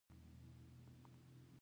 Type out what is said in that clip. اوړي د افغانانو د ژوند طرز اغېزمنوي.